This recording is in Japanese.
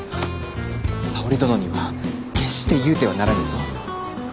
沙織殿には決して言うてはならぬぞ。